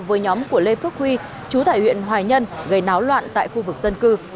với nhóm của lê phước huy chú tại huyện hoài nhân gây náo loạn tại khu vực dân cư